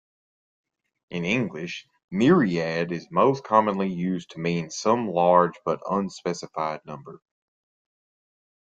In English, "myriad" is most commonly used to mean "some large but unspecified number".